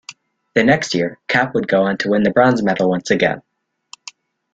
The next year, Kapp would go on to win the bronze medal once again.